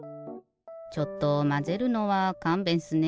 ちょっとまぜるのはかんべんっすね。